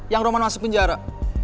yang roman masih penjara